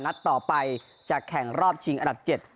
นัดต่อไปจะแข่งรอบชิงอันดับ๗